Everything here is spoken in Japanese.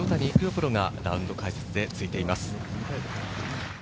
プロがラウンド解説でついています。